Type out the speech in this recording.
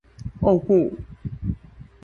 喔不